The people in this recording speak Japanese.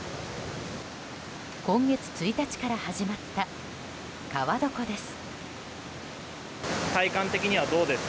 今月１日から始まった川床です。